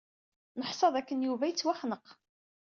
Neḥsa d akken Yuba yettwaxneq.